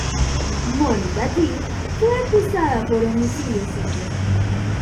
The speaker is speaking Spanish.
Mónica D. fue acusada por homicidio simple.